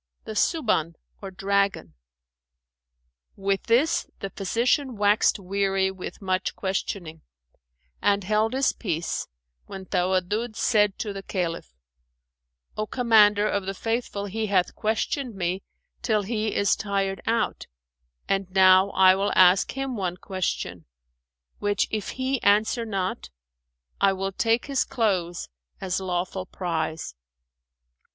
"The Su'ban or dragon.[FN#413]" With this the physician waxed weary with much questioning, and held his peace, when Tawaddud said to the Caliph, "O Commander of the Faithful, he hath questioned me till he is tired out and now I will ask him one question, which if he answer not, I will take his clothes as lawful prize."